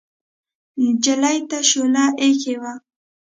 نجلۍ ته شوله اېښې وه.